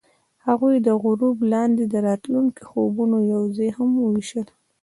هغوی د غروب لاندې د راتلونکي خوبونه یوځای هم وویشل.